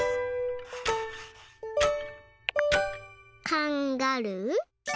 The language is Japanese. カンガルー。